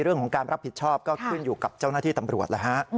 เรื่องของการรับผิดชอบก็ขึ้นอยู่กับเจ้าหน้าที่ตำรวจแล้วฮะ